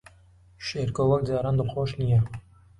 شێرکۆ وەک جاران دڵخۆش نییە.